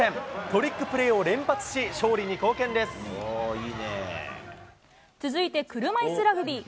トリックプレーを連発し、勝利に続いて車いすラグビー。